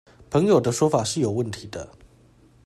朋友的說法是有問題的